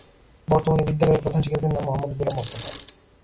বর্তমানে বিদ্যালয়ের প্রধান শিক্ষকের নাম মো: গোলাম মোস্তফা।